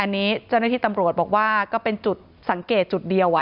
อันนี้เจ้าหน้าที่ตำรวจบอกว่าก็เป็นจุดสังเกตจุดเดียว